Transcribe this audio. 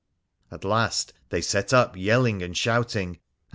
At last they set up yelling and shouting, and.